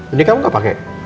ini kamu gak pake